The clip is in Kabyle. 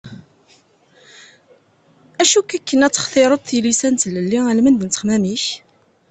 Acu-k akken ad textireḍ tilisa n tlelli almend n ttexmam-ik?